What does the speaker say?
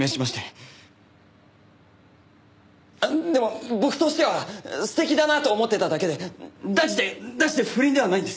あっでも僕としては素敵だなと思ってただけで断じて断じて不倫ではないんです。